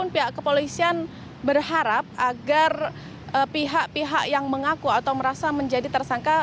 pihak kepolisian berharap agar pihak pihak yang mengaku atau merasa menjadi tersangka